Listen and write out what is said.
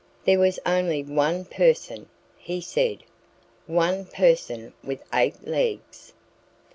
"There was only one person " he said "one person with eight legs!"